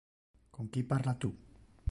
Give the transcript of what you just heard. Con qui parla tu?